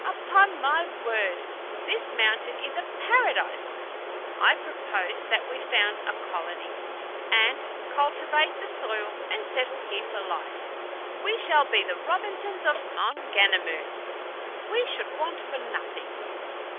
Upon my word, this mountain is a paradise! I propose that we found a colony, and cultivate the soil and settle here for life! We shall be the Robinsons of Maunganamu. We should want for nothing."